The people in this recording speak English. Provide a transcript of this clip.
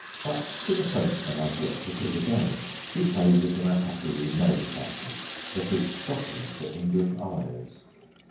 But to the Frenchman, as yet, it is a game. He plays it in a happy, merry fashion, that is shocking to English eyes.